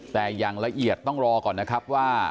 แต่อย่างละเอียดต้องรอก่อนนะครับว่า